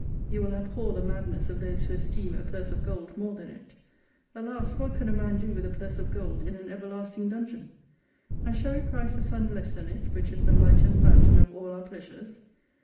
You will abhor the madness of those who esteem a purse of gold more than it. Alas, what could a man do with a purse of gold in an everlasting dungeon ? And shall we prize the sun less than it, which is the light and fountain of all our pleasures?